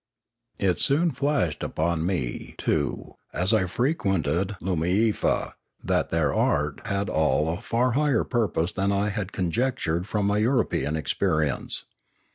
It soon flashed upon me, too, as I frequented I/)o miefa, that their art had all a far higher purpose than I had conjectured from my European experience.